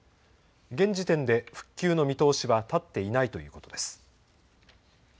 現時点で復旧の見通しは立っていないということです。